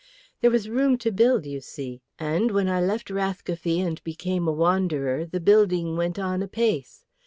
There was room to build, you see, and when I left Rathcoffey and became a wanderer, the building went on apace.